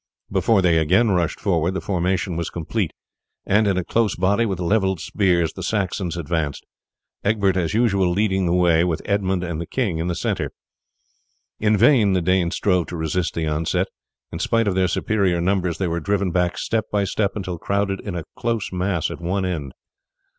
Before they again rushed forward the formation was complete, and in a close body with levelled spears the Saxons advanced, Egbert as usual leading the way, with Edmund and the king in the centre. In vain the Danes strove to resist the onset; in spite of their superior numbers they were driven back step by step until crowded in a close mass at one end.